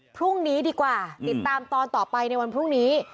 พรุ่งนี้ดีกว่าติดตามตอนต่อไปในวันพรุ่งนี้